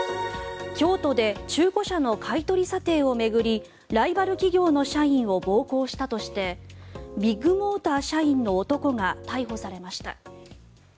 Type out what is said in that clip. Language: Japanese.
京都で中古車の買い取り査定を巡りライバル企業の社員を暴行したとしてビッグモーター社員の男が逮捕されました。